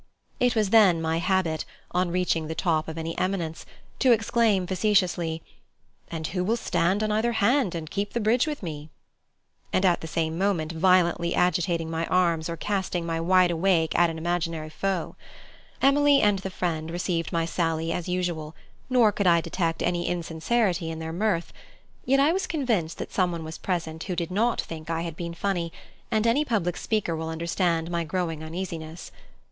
It was then my habit, on reaching the top of any eminence, to exclaim facetiously "And who will stand on either hand and keep the bridge with me?" at the same moment violently agitating my arms or casting my wide awake eyes at an imaginary foe. Emily and the friend received my sally as usual, nor could I detect any insincerity in their mirth. Yet I was convinced that some one was present who did not think I had been funny, and any public speaker will understand my growing uneasiness.